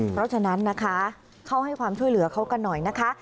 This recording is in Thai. เพราะฉะนั้นนะคะเขาให้ความช่วยเหลือเขากันหน่อยนะคะ